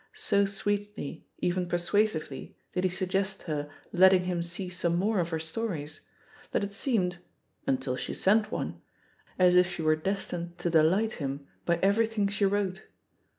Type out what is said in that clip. So sweetly, even persuasively, did he suggest her "letting him see some more of her stories" that it seemed — ^until she sent one — as if she were destined to delight him hy everything she wrote.